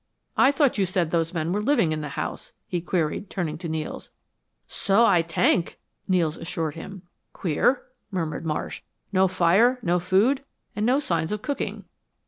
"I thought you said those men were living in the house," he queried, turning to Nels. "So Aye tenk," Nels assured him. "Queer," murmured Marsh. "No fire, no food, and no signs of cooking."